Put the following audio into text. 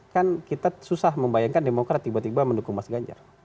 kan kita susah membayangkan demokrat tiba tiba mendukung mas ganjar